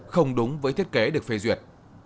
không đúng với thiết kế được phê duyệt